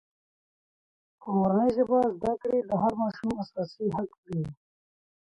په مورنۍ ژبه زدکړې د هر ماشوم اساسي حق دی.